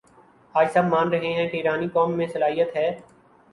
آج سب مان رہے ہیں کہ ایرانی قوم میں صلاحیت ہے